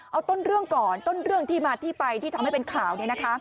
เอาต้นเรื่องก่อนต้นเรื่องที่มาที่ไปที่ทำให้เป็นข่าว